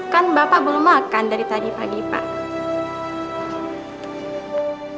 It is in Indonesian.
kan bapak belum makan dari tadi pagi pak